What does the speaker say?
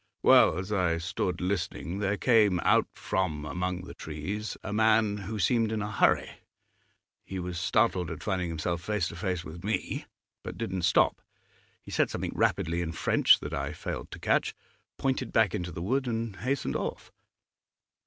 Well, as I stood listening, there came out from among the trees a man who seemed in a hurry. He was startled at finding himself face to face with me, but didn't stop; he said something rapidly in French that I failed to catch, pointed back into the wood, and hastened off.